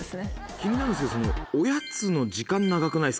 気になるんですけど。